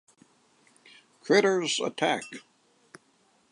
Critters Attack!